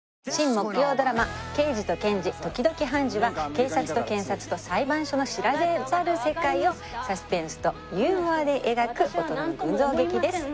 木曜ドラマ『ケイジとケンジ、時々ハンジ。』は警察と検察と裁判所の知られざる世界をサスペンスとユーモアで描く大人の群像劇です。